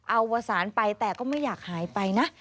อวสารไปแต่ก็ไม่อยากหายไปนะ